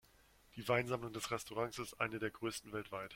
Die Weinsammlung des Restaurants ist eine der größten weltweit.